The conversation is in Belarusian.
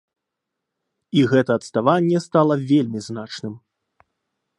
І гэта адставанне стала вельмі значным.